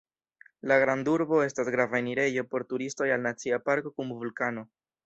La grandurbo estas grava enirejo por turistoj al Nacia parko kun vulkano.